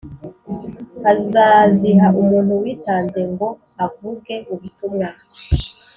azaziha umuntu witanze ngwo avuge ubutumwa,